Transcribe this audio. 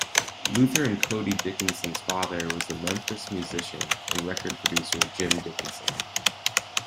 Luther and Cody Dickinson's father was the Memphis musician and record producer Jim Dickinson.